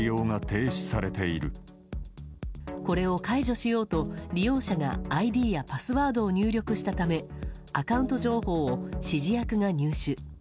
これを解除しようと利用者がＩＤやパスワードを入力したためアカウント情報を指示役が入手。